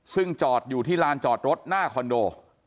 ซึ่งจอดอยู่ที่ลานจอดรถหน้าคอนโด